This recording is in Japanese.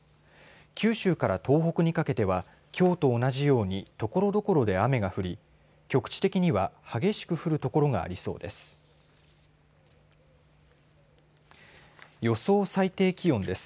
九州から東北にかけてはきょうと同じようにところどころで雨が降り局地的には激しく降る所がありそうです。